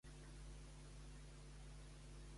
Com l'anomenaven els accadis i babilonis?